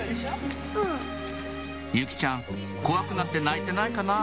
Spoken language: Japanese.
「由季ちゃん怖くなって泣いてないかな？」